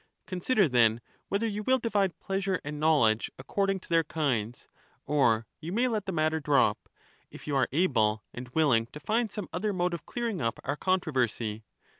Consider, then, whether of doing you will divide pleasure and knowledge according to their ^^^^^^^^^ kinds; or you may let the matter drop, if you are able and ask help of willing to find some other mode of clearing up our con Socrates, troversy.